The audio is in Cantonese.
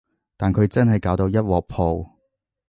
但佢真係搞到一鑊泡